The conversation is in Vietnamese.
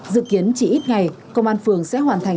dự kiến chỉ ít ngày công an phường sẽ hoàn thành